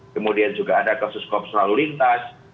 kemudian juga ada kasus kopi selalu lintas